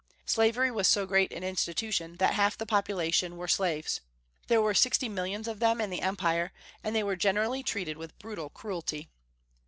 Slavery was so great an institution that half of the population were slaves. There were sixty millions of them in the Empire, and they were generally treated with brutal cruelty.